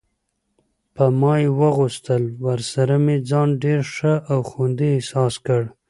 په ما یې واغوستل، ورسره مې ځان ډېر ښه او خوندي احساس کړ.